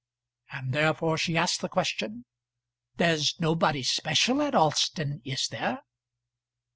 And therefore she asked the question, "There's nobody special at Alston, is there?"